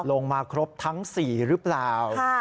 ลงมาครบทั้ง๔หรือเปล่า